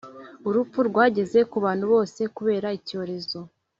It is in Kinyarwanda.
Urupfu rwageze ku bantu bose kubera icyorezo